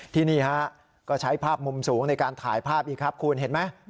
นี่ฮะก็ใช้ภาพมุมสูงในการถ่ายภาพอีกครับคุณเห็นไหม